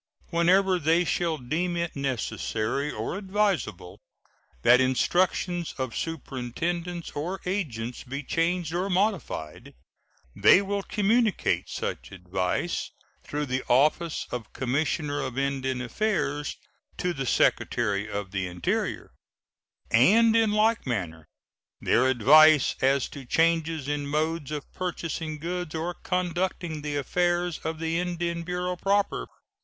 Whenever they shall deem it necessary or advisable that instructions of superintendents or agents be changed or modified, they will communicate such advice through the office of Commissioner of Indian Affairs to the Secretary of the Interior, and in like manner their advice as to changes in modes of purchasing goods or conducting the affairs of the Indian Bureau proper.